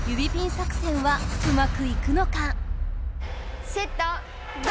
作戦はうまくいくのか⁉セットあ！